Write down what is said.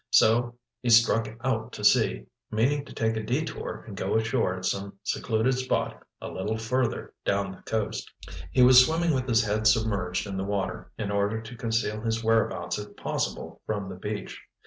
So he struck out to sea, meaning to make a detour and go ashore at some secluded spot a little further down the coast. He was swimming with his head submerged in the water, in order to conceal his whereabouts if possible from the beach.